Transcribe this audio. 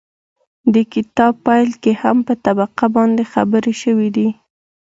د کتاب پيل کې هم په طبقه باندې خبرې شوي دي